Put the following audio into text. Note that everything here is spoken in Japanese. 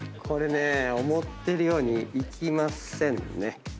これね思ってるようにいきませんね。